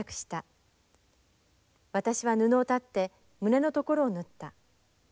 私は布を裁って胸のところを縫った。